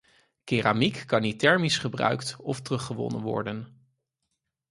Keramiek kan niet thermisch gebruikt of teruggewonnen worden.